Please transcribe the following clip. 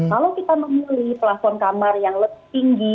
kalau kita memilih plafon kamar yang lebih tinggi